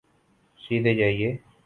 سیدھے جائیے